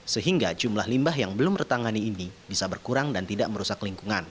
sehingga jumlah limbah yang belum tertangani ini bisa berkurang dan tidak merusak lingkungan